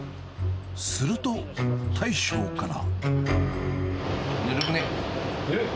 すると、大将から。